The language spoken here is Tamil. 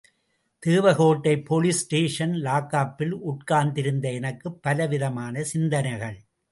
தேவகோட்டை போலீஸ் ஸ்டேஷன் லாக்கப்பில் உட்கார்ந்திருந்த எனக்குப் பலவிதமான சிந்தனைகள்.